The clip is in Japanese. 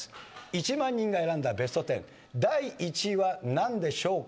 １万人が選んだベスト１０第１位は何でしょうか？